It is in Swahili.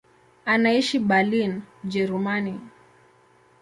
Anaishi Berlin, Ujerumani.